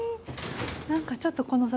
何かちょっとこのさ